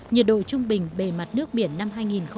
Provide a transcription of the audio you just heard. nhiệt độ trung bình bề mặt nước biển năm hai nghìn một mươi chín